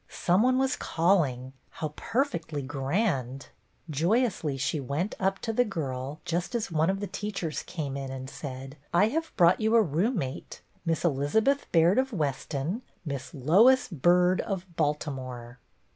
Some one was calling; how perfectly grand! Joy ously she went up to the girl, just as one of the teachers came in and said —" I have brought you a roommate. Miss Elizabeth Baird of Weston, Miss Lois Byrd of Baltimore."